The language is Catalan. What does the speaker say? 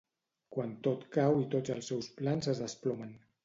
Quan tot cau i tots els seus plans es desplomen.